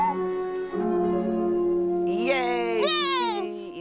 イエーイ！